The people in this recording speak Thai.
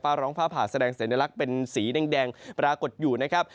ร้องฟ้าผ่าแสดงสัญลักษณ์เป็นสีแดงปรากฏอยู่นะครับ